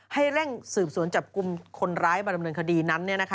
ให้เร่งสืบสวนจับกลุ่มคนร้ายมาดำเนินคดีนั้น